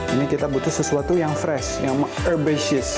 ini kita butuh sesuatu yang fresh yang herbaceous